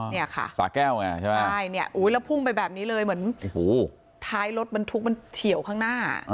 อ๋อนี่อะค่ะสะแก้วอ่ะใช่ไหมใช่และพุ่งไปเบบนี้เลยเหมือนท้ายรถบรรทุกเฉี่ยวข้างหน้า